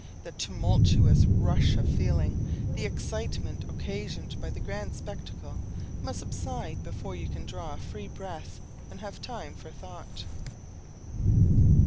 The tumultuous rush of feeling, the excitement occasioned by the grand spectacle, must subside before you can draw a free breath, and have time for thought.